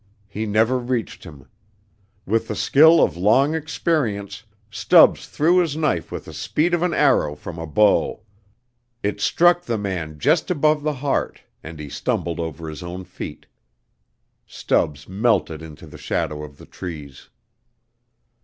He never reached him. With the skill of long experience, Stubbs threw his knife with the speed of an arrow from a bow. It struck the man just above the heart and he stumbled over his own feet. Stubbs melted into the shadow of the trees.